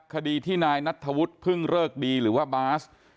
คดีที่นายนัทธวุฒิพึ่งเริกดีหรือว่าบาส